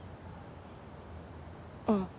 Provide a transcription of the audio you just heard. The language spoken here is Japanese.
うん。